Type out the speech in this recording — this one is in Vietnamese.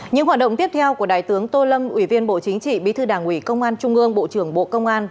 những hoạt động tiếp theo của đại tướng tô lâm ủy viên bộ chính trị bí thư đảng ủy công an trung ương bộ trưởng bộ công an